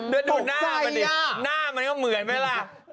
ดูหน้ามันเนี่ยหน้ามันก็เหมือนไปล่ะ